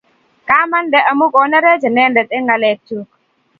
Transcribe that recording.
Kwamande amun konerech inendet eng' ng'alek chuk.